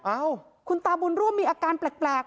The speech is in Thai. เอ้าคุณตาบุญร่วมมีอาการแปลก